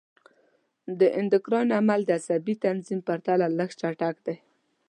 د اندوکراین عمل د عصبي تنظیم په پرتله لږ چټک دی.